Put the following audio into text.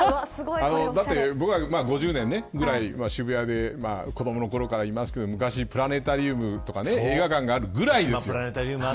僕は５０年ぐらい渋谷で子どものころからいますけど昔、プラネタリウムとか映画館があったぐらいですよ。